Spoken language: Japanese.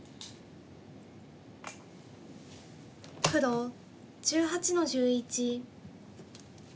黒１８の十一。